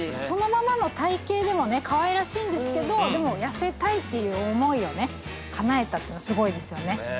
そのままの体形でもかわいらしいんですけどでも痩せたいって思いをねかなえたってすごいですよね。